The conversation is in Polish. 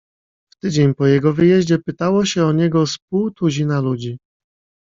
"W tydzień po jego wyjeździe pytało się o niego z pół tuzina ludzi."